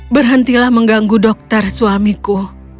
berhentilah mengganggu dokter suamiku